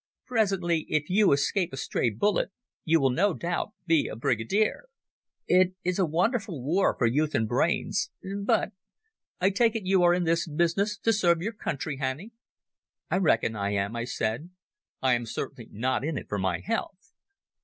Presently, if you escape a stray bullet, you will no doubt be a Brigadier. It is a wonderful war for youth and brains. But ... I take it you are in this business to serve your country, Hannay?" "I reckon I am," I said. "I am certainly not in it for my health."